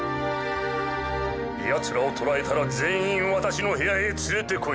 ヤツらを捕らえたら全員ワタシの部屋へ連れてこい。